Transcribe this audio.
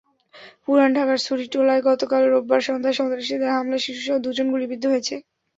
পুরান ঢাকার সুরিটোলায় গতকাল রোববার সন্ধ্যায় সন্ত্রাসীদের হামলায় শিশুসহ দুজন গুলিবিদ্ধ হয়েছে।